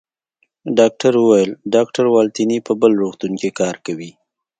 ډاکټر وویل: ډاکټر والنتیني په بل روغتون کې کار کوي.